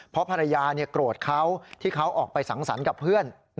เพราะภรรยาโกรธเขาที่เขาออกไปสังสรรค์กับเพื่อน